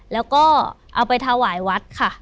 แล้วก็เอาไปถวายวัดค่ะ